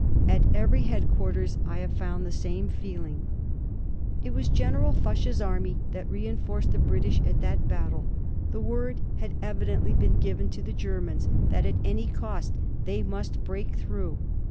At every headquarters I have found the same feeling. It was General Foch's army that reënforced the British at that battle. The word had evidently been given to the Germans that at any cost they must break through.